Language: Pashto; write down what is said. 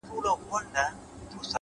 د لرې ښار رڼاګانې د خیال فاصله لنډوي؛